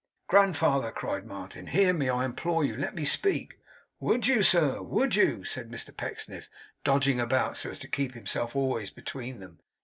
'Grandfather!' cried Martin. 'Hear me! I implore you, let me speak!' 'Would you, sir? Would you?' said Mr Pecksniff, dodging about, so as to keep himself always between them.